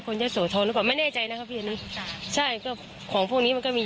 คนเยอะโสธนกว่าไม่แน่ใจนะครับพี่ใช่ของพวกนี้มันก็มี